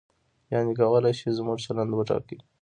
یعنې کولای شي زموږ چلند وټاکي.